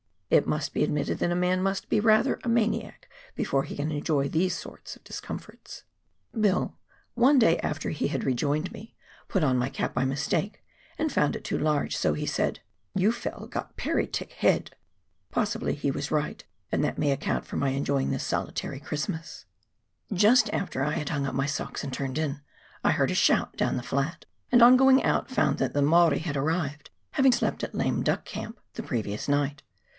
It must be admitted that a man must be rather a maniac, before he can enjoy these sort of discomforts. Bill, one day after he had rejoined me, P 210 PIONEER WORK IN THE ALPS OF NEW ZEALAND. put on my cap by mistake, and found it too large, so he said, " You fell' got pery tick (thick) head "! Possibly he was right, and that may account for my enjoying this soli tary Christmas ! Just after I had hung up my socks and turned in, I heard a shout down the flat, and on going out, found that the ]Maori had arrived, having slept at Lame Duck Camp the previous night.